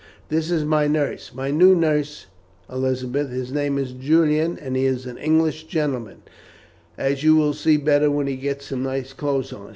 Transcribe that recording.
"This is my nurse, my new nurse, Elizabeth. His name is Julian, and he is an English gentleman, as you will see better when he gets some nice clothes on.